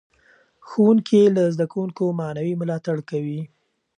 ښوونکي له زده کوونکو معنوي ملاتړ کوي.